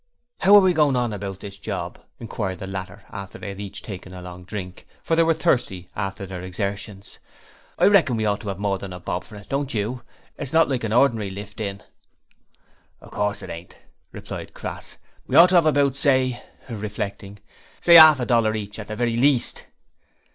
'How are we going on about this job?' inquired the latter after they had each taken a long drink, for they were thirsty after their exertions. 'I reckon we ought to 'ave more than a bob for it, don't you? It's not like a ordinary "lift in".' 'Of course it ain't,' replied Crass. 'We ought to 'ave about, say' reflecting 'say arf a dollar each at the very least.'